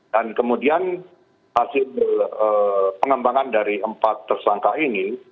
dan kemudian hasil pengembangan dari empat tersangka ini